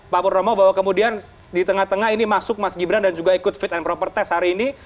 pak purnomo bahwa kemudian di tengah tengah ini masuk mas gibran dan juga ikut fit and proper test hari ini